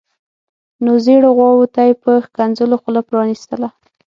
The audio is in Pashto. نو زیړو غواوو ته یې په ښکنځلو خوله پرانیستله.